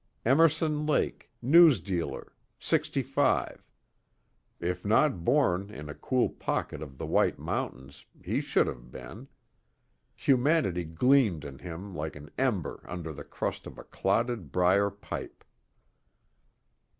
Emerson Lake, newsdealer, sixty five. If not born in a cool pocket of the White Mountains, he should have been. Humanity gleamed in him like an ember under the crust of a clotted briar pipe.